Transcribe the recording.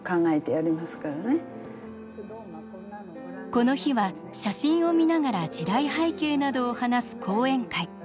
この日は写真を見ながら時代背景などを話す講演会。